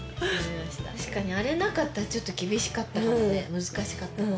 確かにあれなかったらちょっと厳しかったかもね難しかったかも。